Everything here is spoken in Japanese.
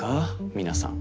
皆さん。